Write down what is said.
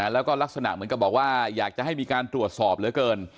แล้วก็ลักษณะเหมือนกับบอกว่าอยากจะให้มีการตรวจสอบเหลือเกิน